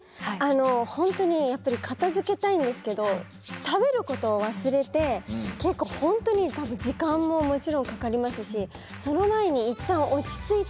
本当にやっぱり片づけたいんですけど食べることを忘れて結構本当に時間ももちろんかかりますしその前にいったんあ大事ですね。